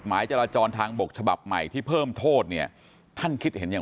จราจรทางบกฉบับใหม่ที่เพิ่มโทษเนี่ยท่านคิดเห็นอย่าง